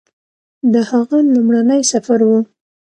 د هغه لومړنی سفر و